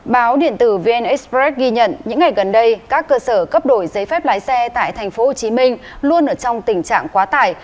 báo điện tử vn express ghi nhận những ngày gần đây các cơ sở cấp đổi giấy phép lái xe tại tp hcm luôn ở trong tình trạng quá tải